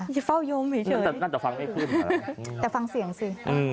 ก็เฝ้ายงไปเฉยน่าจะฟังไม่ขึ้นอ่ะแต่ฟังเสียงสิอืม